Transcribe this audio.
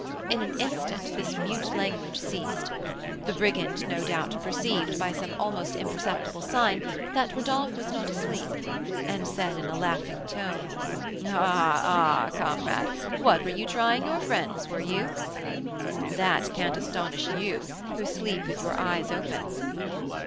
In an instant this mute language ceased. The brigand no doubt perceived, by some almost imperceptible sign, that Rodolph was not asleep, and said, in a laughing tone: "Ah, ah, comrade! what, you were trying your friends, were you?" "That can't astonish you, who sleep with your eyes open."